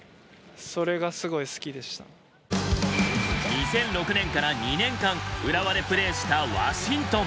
２００６年から２年間浦和でプレーしたワシントン。